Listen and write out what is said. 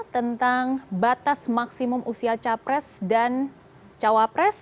tentang batas maksimum usia capres dan cawapres